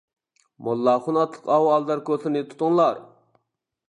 موللاخۇن ئاتلىق ئاۋۇ ئالدار كوسىنى تۇتۇڭلار!